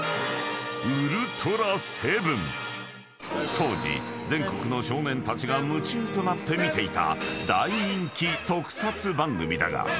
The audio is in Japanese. ［当時全国の少年たちが夢中となって見ていた大人気］